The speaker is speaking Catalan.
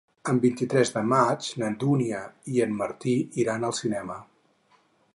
El vint-i-tres de maig na Dúnia i en Martí iran al cinema.